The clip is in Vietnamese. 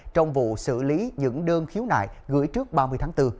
trong vụ xử lý những đơn khiếu nại gửi trước ba mươi tháng bốn